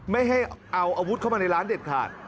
ไม่ให้เอาอาวุธเข้ามาในร้านเด็ดขาด